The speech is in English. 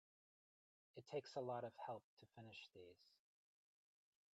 It takes a lot of help to finish these.